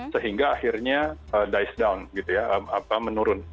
sehingga akhirnya dice down menurun